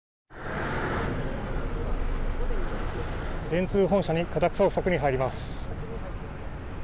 電通本社に家宅捜索に入ります。